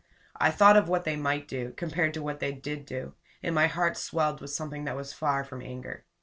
I thought of what they might do, compared to what they did do, and my heart swelled with something that was far from anger.